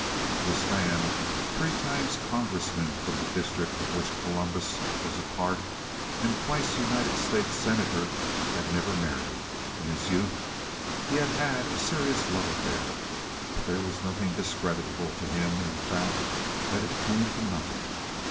This man, three times Congressman from the district of which Columbus was a part, and twice United States Senator, had never married. In his youth he had had a serious love affair, but there was nothing discreditable to him in the fact that it came to nothing.